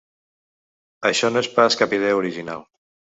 Això no és pas cap idea original.